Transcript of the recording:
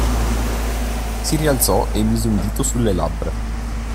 Si rialzò e mise un dito sulle labbra.